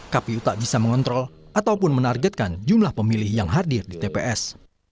kpu tak bisa mengontrol ataupun menargetkan jumlah pemilih yang hadir di tps